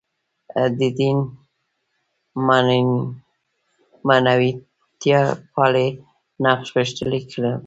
د دین معنویتپالی نقش غښتلی کړو.